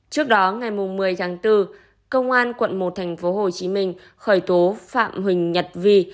trước đó ngày một mươi tháng bốn công an tp hcm khởi tố phạm huỳnh nhật vi